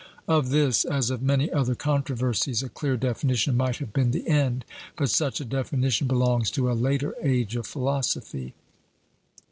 Of this, as of many other controversies, a clear definition might have been the end. But such a definition belongs to a later age of philosophy.